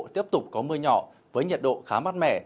tiếp tục có mưa nhỏ với nhiệt độ khá mát mẻ